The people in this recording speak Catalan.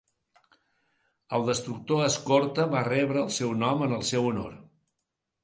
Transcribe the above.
El destructor escorta va rebre el seu nom en el seu honor.